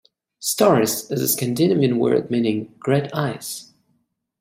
"Storis" is a Scandinavian word meaning "great ice.